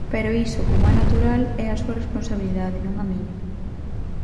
Pero iso, como é natural, é a súa responsabilidade, non a miña.